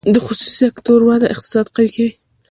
د خصوصي سکتور وده اقتصاد قوي کوي